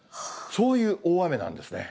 そういう大雨なんですね。